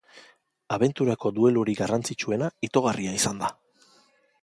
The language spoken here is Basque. Abenturako duelurik garrantzitsuena itogarria izan da.